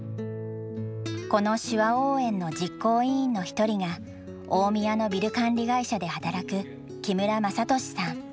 この手話応援の実行委員の一人が大宮のビル管理会社で働く木村雅俊さん。